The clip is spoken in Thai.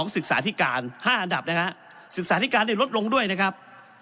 ศึกษาธิการ๕อันดับนะฮะศึกษาธิการได้ลดลงด้วยนะครับ